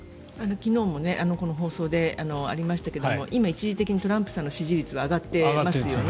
昨日も放送でありましたが今、一時的にトランプさんの支持率は上がってますよね。